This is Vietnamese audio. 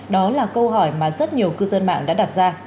đó là câu hỏi mà rất nhiều cư dân mạng đã đặt ra